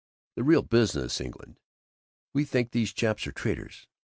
The real business England, we think those chaps are traitors.